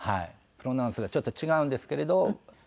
プロナウンスがちょっと違うんですけれど。